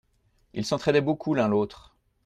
Ils s’entraidaient beaucoup l’un l’autre.